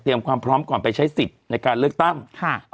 ความพร้อมก่อนไปใช้สิทธิ์ในการเลือกตั้งค่ะ